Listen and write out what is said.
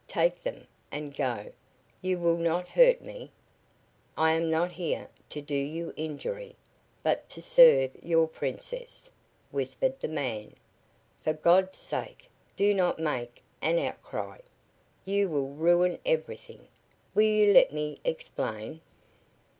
Take them and go You will not hurt me?" "I am not here to do you injury, but to serve your Princess," whispered the man. "For God's sake, do not make an outcry. You will ruin everything. Will you let me explain?"